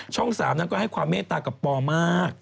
๓นั้นก็ให้ความเมตตากับปอมาก